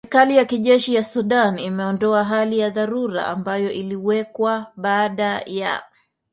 Serikali ya kijeshi ya Sudan imeondoa hali ya dharura ambayo iliwekwa baada ya